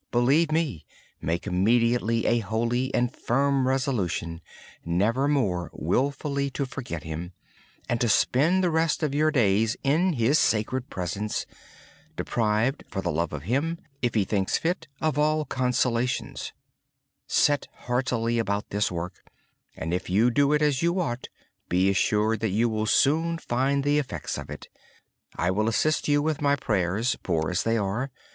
Believe me. Immediately make a holy and firm resolution never more to forget Him. Resolve to spend the rest of your days in His sacred presence, deprived of all consolations for the love of Him if He thinks fit. Set heartily about this work, and if you do it sincerely, be assured that you will soon find the effects of it. I will assist you with my prayers, poor as they are.